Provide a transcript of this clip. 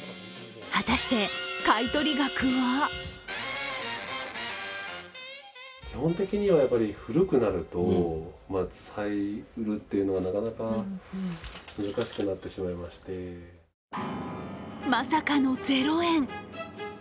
果たして買い取り額はまさかの０円。